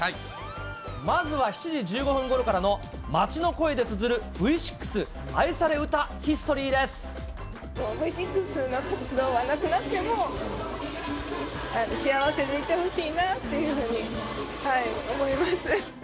まずは７時１５分ごろからの街の声でつづるＶ６愛され歌ヒストリＶ６の活動はなくなっても、幸せでいてほしいなっていうふうに思います。